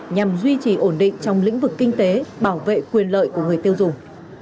nhằm duy trì ổn định trong lĩnh vực kinh tế bảo vệ quyền lợi của người tiêu dùng